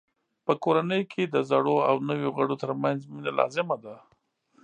په کورنۍ کې د زړو او نویو غړو ترمنځ مینه لازمه ده.